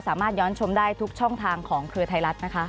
สามารถย้อนชมได้ทุกช่องทางของเครือไทยรัฐนะคะ